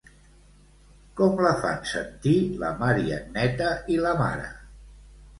Com la fan sentir la Mariagneta i la mare?